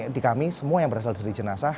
di kami semua yang berasal dari jenazah